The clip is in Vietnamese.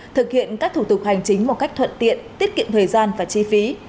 thực hiện các thủ tục hành chính một cách thuận tiện tiết kiệm thời gian và chi phí